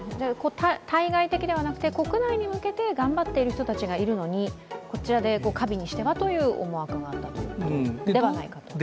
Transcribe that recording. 対外的ではなく国内に向けて頑張っている人がいるのにこちらで華美にしてはという思惑があったのではないかと。